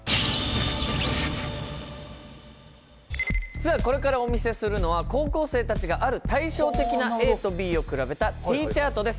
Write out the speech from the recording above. さあこれからお見せするのは高校生たちがある対照的なＡとＢを比べたＴチャートです。